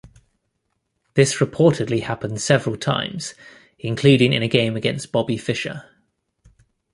This reportedly happened several times, including in a game against Bobby Fischer.